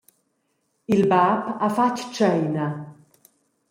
Il bab ha fatg tscheina.